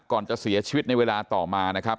ก่อนจะเสียชีวิตในเวลาต่อมานะครับ